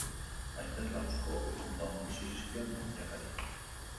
Aitak larruzko ukondokoak josi zizkion jakari.